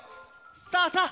さあさあ